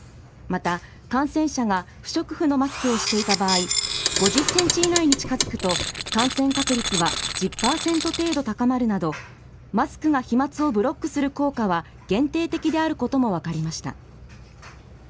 また、感染者が不織布のマスクをしていた場合、５０センチ以内に近づくと、感染確率は１０％程度高まるなど、マスクが飛まつをブロックする効果は限定的であることも分かりました。